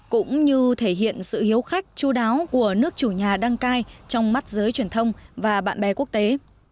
cũng như thể hiện sự hiếu khách chú đáo của nước chủ nhà đăng cai trong mắt giới truyền thông và bạn bè quốc tế